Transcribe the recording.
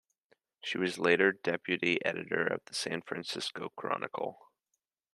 She was later deputy editor of the San Francisco Chronicle.